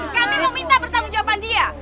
kami mau minta bertanggung jawaban dia